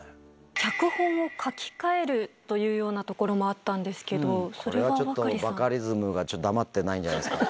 脚本を書き換えるというようなところもあったんですけど、これはちょっとバカリズムがそんなことない。